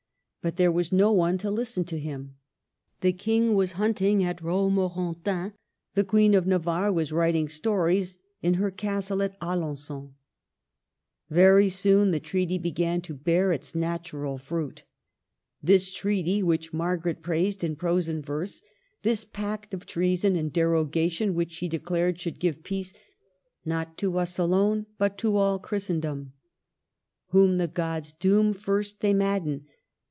But there was no one to listen to him. The King was hunting at Romorantin; the Queen of Navarre was writing stories in her castle at Alengon. Very soon the treaty began to bear its natu ral fruit, — this treaty which Margaret praised in prose and verse; this pact of treason and derogation which she declared should give peace, *' not to us alone, but to all Christen dom." Whom the Gods doom, first they mad den.